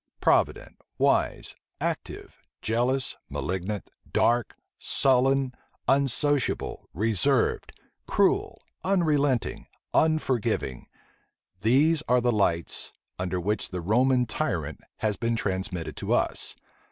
Provident, wise, active, jealous, malignant, dark, sullen, unsociable, reserved, cruel, unrelenting, unforgiving these are the lights under which the Roman tyrant has been transmitted to us.